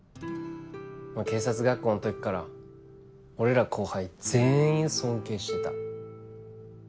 警察学校の時から俺ら後輩全員尊敬してた。